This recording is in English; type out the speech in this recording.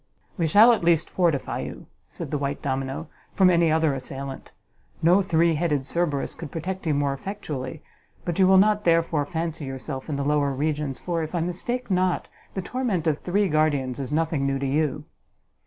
"We shall, at least, fortify you," said the white domino, "from any other assailant: no three headed Cerberus could protect you more effectually: but you will not, therefore, fancy yourself in the lower regions, for, if I mistake not, the torment of three guardians is nothing new to you."